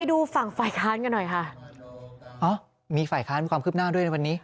ดูฝั่งฝ่ายค้านกันหน่อยค่ะฮะมีฝ่ายค้านมีความคืบหน้าด้วยในวันนี้